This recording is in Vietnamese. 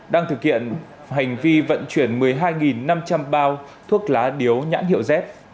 đang thực hiện hành vi vận chuyển một mươi hai năm trăm linh bao thuốc lá điếu nhãn hiệu z